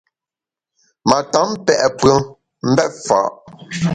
Ma tam pe’ pùem mbèt fa’.